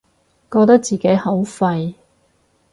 覺得自己好廢